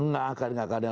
gak akan ada